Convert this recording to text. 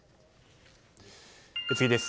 次です。